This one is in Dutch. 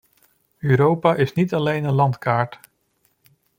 Europa is niet alleen een landkaart.